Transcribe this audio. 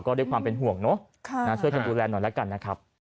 ก็ด้วยความเป็นห่วงเนอะช่วยกันดูแลหน่อยแล้วกันนะครับ